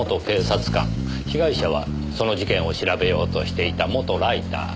被害者はその事件を調べようとしていた元ライター。